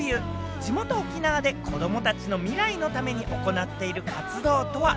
地元・沖縄で子どもたちの未来のために行っている活動とは？